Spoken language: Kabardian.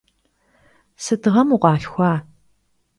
Sıt ğem vukhalhxua?